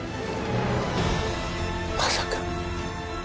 まさか！